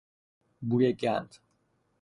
بوی گند